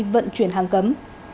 vận chuyển hàng cấm